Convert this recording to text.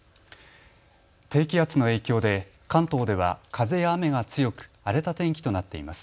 低気圧の影響で関東では風や雨が強く、荒れた天気となっています。